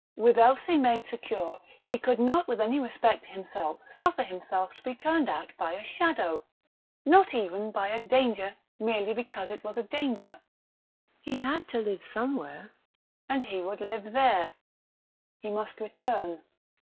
With Elsie made secure, he could not with any respect to himself suffer himself to be turned out by a shadow, nor even by a danger merely because it was a danger. He had to live somewhere, and he would live there. He must return.